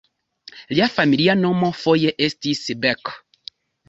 Lia familia nomo foje estis "Beck".